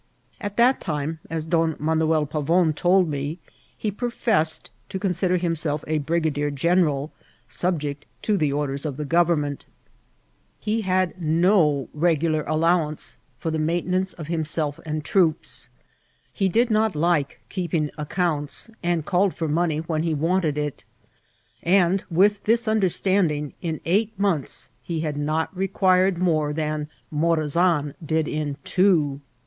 At that time, as Don Manuel Pavon told me, he pro fessed to consider himself a brigadier general, subject to the orders of the government. He had no regular Vol. I.— 1 1 860 INCIDBVT8 or TKATIL. allowance for the maintenanoe of himself and troope ; he did nof like keeping accounts, and called for money when he wanted it ; and, with this understanding, in eij^t months he had not required nunre than Moraam did in two.